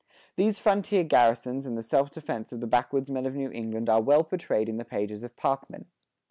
These frontier garrisons and the self defense of the backwoodsmen of New England are well portrayed in the pages of Parkman.